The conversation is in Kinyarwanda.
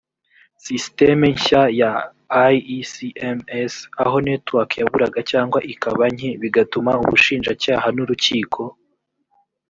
systeme nshya ya iecms aho network yaburaga cyangwa ikaba nke bigatuma ubushinjacyaha n’urukiko